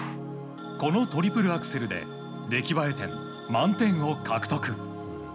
このトリプルアクセルで出来栄え点満点を獲得。